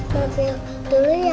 mampir dulu ya